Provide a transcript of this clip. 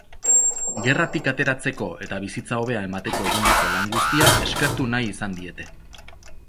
Gerratik ateratzeko eta bizitza hobea emateko egindako lan guztia eskertu nahi izan diete.